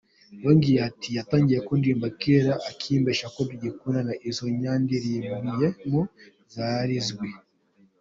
Yongeraho ati “Yatangiye kundirimba kera akimbeshya ko dukundana, izo yandirimbyemo zirazwi.